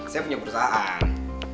saya punya perusahaan